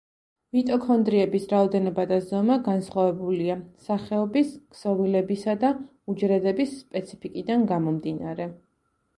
მიტოქონდრიების რაოდენობა და ზომა განსხვავებულია სახეობის, ქსოვილებისა და უჯრედების სპეციფიკიდან გამომდინარე.